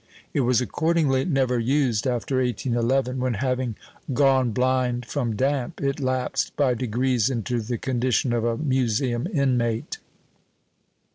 It was accordingly never used after 1811, when, having gone blind from damp, it lapsed by degrees into the condition of a museum inmate.